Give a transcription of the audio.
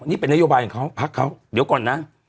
นี่เป็นนโยบายของเขาพักเขาเดี๋ยวก่อนนะ